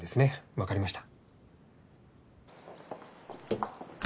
分かりました。